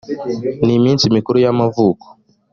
n iminsi mikuru y amavuko